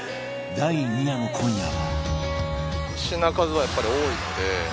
第２夜の今夜は